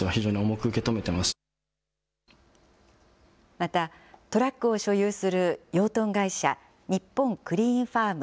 また、トラックを所有する養豚会社、日本クリーンファーム